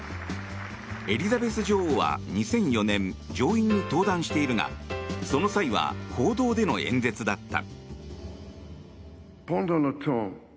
エリザベス女王は２００４年上院に登壇しているがその際は、講堂での演説だった。